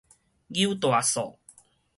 搝大索